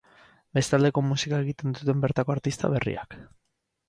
Beste aldeko musika egiten duten bertako artista berriak.